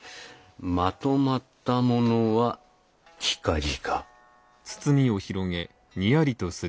まとまったものは近々。